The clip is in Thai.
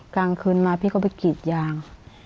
กลางคืนมาพี่ก็ไปกรีดยาง